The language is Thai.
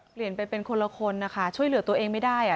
เปลี่ยนไปเป็นคนละคนนะคะช่วยเหลือตัวเองไม่ได้อ่ะ